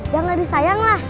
jangan disayang lah